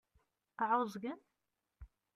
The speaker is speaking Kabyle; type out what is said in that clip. Ɛuẓgen?